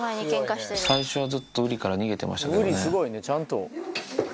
最初はずっとウリから逃げてましたけどね。